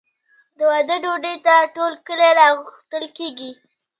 د واده ډوډۍ ته ټول کلی راغوښتل کیږي.